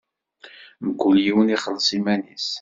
Mkul yiwen ixelleṣ iman-is.